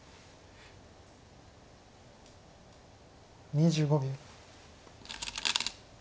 ２５秒。